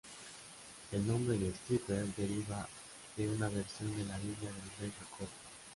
El nombre de "Stryper" deriva de una versión de la Biblia del Rey Jacobo.